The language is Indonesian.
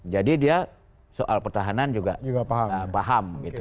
jadi dia soal pertahanan juga paham